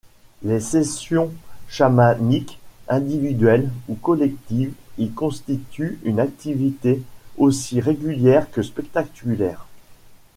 Les sessions chamaniques individuelles ou collectives y constituent une activité aussi régulière que spectaculaire.